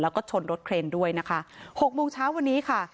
แล้วก็ชนรถเครนด้วยนะคะหกโมงเช้าวันนี้ค่ะ